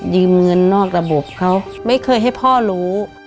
เงินนอกระบบเขาไม่เคยให้พ่อรู้